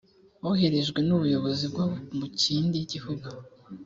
woherejwe n ubuyobozi bwo mu kindi gihugu